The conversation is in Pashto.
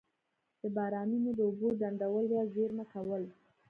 د بارانونو د اوبو ډنډول یا زیرمه کول.